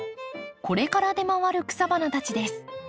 これから出回る草花たちです。